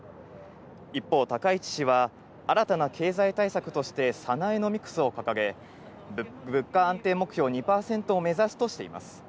一方、高市氏は新たな経済対策としてサナエノミクスを掲げ、物価安定目標２％を目指すとしています。